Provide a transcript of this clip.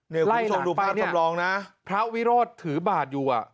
เนี่ยคุณผู้ชมดูภาพกับรองนะไล่หลังไปเนี่ยพระวิโรธถือบาดอยู่อ่ะ